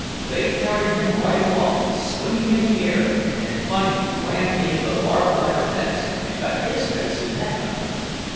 They carried him right along, swinging in the air, and finally ran him into the barb wire fence and cut his face and neck up."